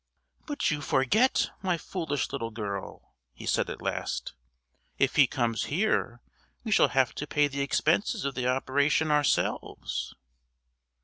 "But you forget, my foolish little girl," he said at last, "if he comes here we shall have to pay the expenses of the operation ourselves."